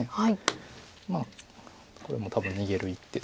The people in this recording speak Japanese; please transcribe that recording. まあこれも多分逃げる一手で。